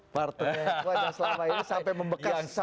partnernya yang kuat dan selama ini sampai membekas